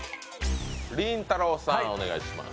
りんたろーさん、お願いします。